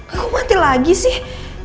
kok mati lagi sih